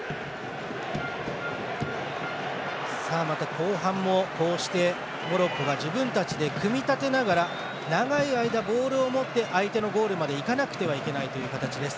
後半も、モロッコが自分たちで組み立てながら長い間ボールを持って相手のゴールまでいかなくては行かないという形です。